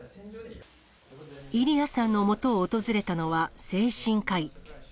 イリヤさんのもとを訪れたのは、精神科医。